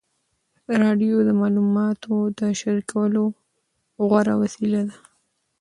راډیو د معلوماتو د شریکولو غوره وسیله ده.